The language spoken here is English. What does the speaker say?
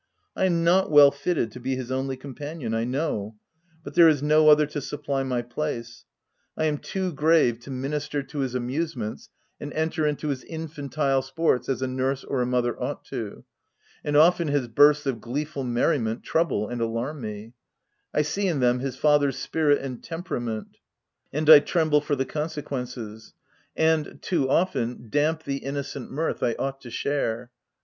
I am not well fitted to be his only companion, I know; but there is no other to supply my place. I am too grave to minister OF WILDFELL HALL. 343 to his amusements and enter into his infantile sports as a nurse or a mother ought to do, and often his bursts of gleeful merriment trouble and alarm me ; I see in them his father's spirit and temperament, and I tremble for the con sequences ; and, too often, damp the innocent mirth I ought to share.